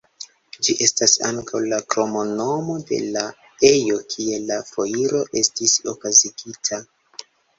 Ĝi estas ankaŭ la kromnomo de la ejo kie la foiro estis okazigita.